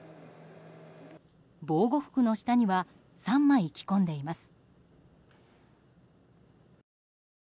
防護服の下には３枚着込んでいます。